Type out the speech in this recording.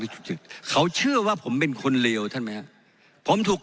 ที่สุจลิบเขาเชื่อว่าผมเป็นคนเลวท่านไหมฮะผมถูก